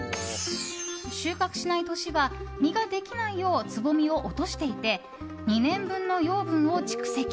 収穫しない年は実ができないようつぼみを落としていて２年分の養分を蓄積。